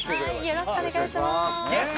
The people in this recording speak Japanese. よろしくお願いします